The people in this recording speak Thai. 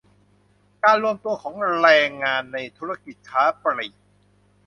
การรวมตัวของแรงงานในธุรกิจค้าปลีก